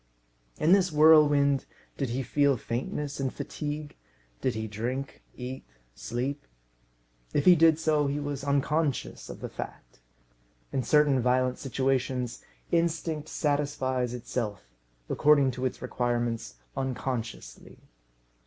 In this whirlwind, did he feel faintness and fatigue? Did he drink, eat, sleep? If he did so, he was unconscious of the fact. In certain violent situations instinct satisfies itself, according to its requirements, unconsciously.